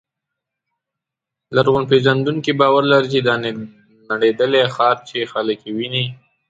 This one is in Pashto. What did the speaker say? لرغونپېژندونکي باور لري چې دا نړېدلی ښار چې خلک یې ویني.